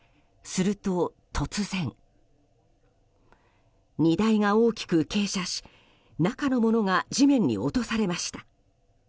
すると突然、荷台が大きく傾斜し中のものが地面に落とされました。